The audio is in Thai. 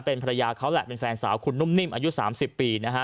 เป็นภรรยาเขาแหละเป็นแฟนสาวคุณนุ่มนิ่มอายุ๓๐ปีนะฮะ